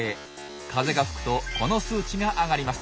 風が吹くとこの数値が上がります。